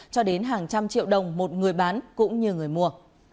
cho đến hàng trăm triệu đồng một người bán cũng như người mua